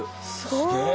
すげえ！